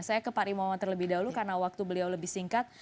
saya ke pak imawan terlebih dahulu karena waktu beliau lebih singkat